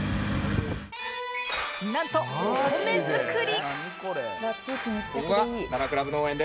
なんとお米作り